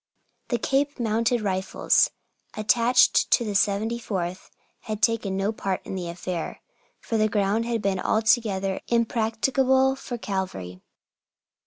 The Cape Mounted Rifles attached to the 74th had taken no part in the affair, for the ground had been altogether impracticable for cavalry.